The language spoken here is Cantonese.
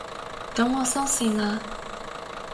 噉我收線喇